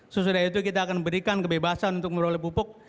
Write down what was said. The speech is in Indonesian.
sesudah itu kita akan memberikan kebebasan untuk membeli pupuk